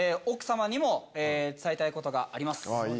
奥様にも伝えたいことがあります。